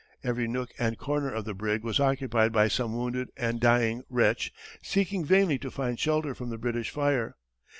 Every nook and corner of the brig was occupied by some wounded and dying wretch seeking vainly to find shelter from the British fire.